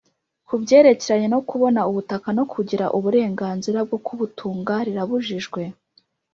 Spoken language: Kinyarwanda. ku byerekeranye no kubona ubutaka no kugira uburenganzira bwo kubutunga rirabujijwe